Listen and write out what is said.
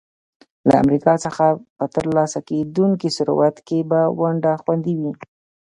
له امریکا څخه په ترلاسه کېدونکي ثروت کې به ونډه خوندي وي.